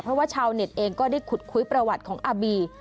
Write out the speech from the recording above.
เพราะว่าชาวเน็ตเองก็ได้ขุดคุยประวัติของอาบี